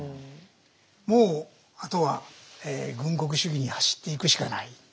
もうあとは軍国主義に走っていくしかない。